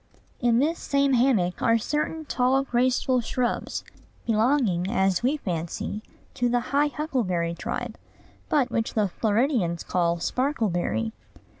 In this same hammock are certain tall, graceful shrubs, belonging, as we fancy, to the high huckleberry tribe, but which the Floridians call sparkleberry.